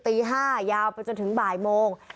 ตี๕ยาวไปจนถึงบ่ายโมง